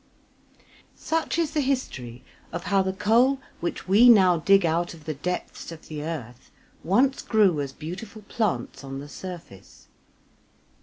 Such is the history of how the coal which we now dig out of the depths of the earth once grew as beautiful plants on the surface.